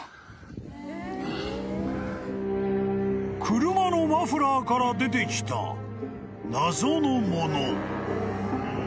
［車のマフラーから出てきた謎のもの］